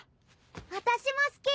私も好き！